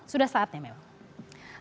sudah saatnya memang